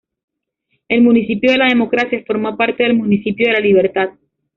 El municipio de La Democracia formó parte del municipio de La Libertad.